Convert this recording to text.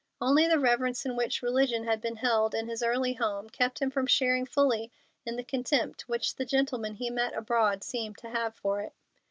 Only the reverence in which religion had been held in his early home kept him from sharing fully in the contempt which the gentlemen he met abroad seemed to have for it.